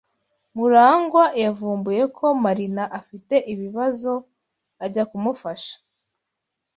MuragwA yavumbuye ko Marina afite ibibazo ajya kumufasha.